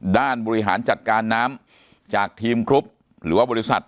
บริหารจัดการน้ำจากทีมกรุ๊ปหรือว่าบริษัท